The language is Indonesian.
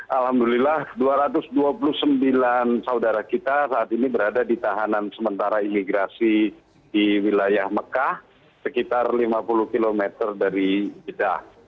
alhamdulillah dua ratus dua puluh sembilan saudara kita saat ini berada di tahanan sementara imigrasi di wilayah mekah sekitar lima puluh km dari jeddah